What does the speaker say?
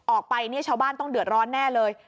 ออกไปเนี่ยชาวบ้านต้องเดือดร้อนแน่เลย